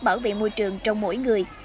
bảo vệ môi trường trong mỗi người